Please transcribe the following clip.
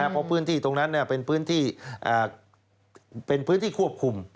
เพราะพื้นที่ตรงนั้นเป็นพื้นที่ควบคุม